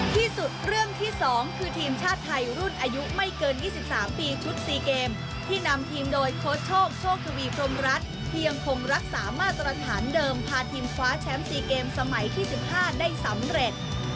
ที่สุดเรื่องที่๒คือทีมชาติไทยรุ่นอายุไม่เกิน๒๓ปีชุด๔เกมที่นำทีมโดยโค้ชโชคโชคทวีพรมรัฐที่ยังคงรักษามาตรฐานเดิมพาทีมคว้าแชมป์๔เกมสมัยที่๑๕ได้สำเร็จ